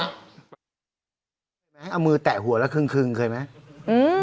นั่นหัวอะไรอย่างเงี้ยน่ะเอามือแตะหัวแล้วครึ่งครึ่งเคยไหมอืม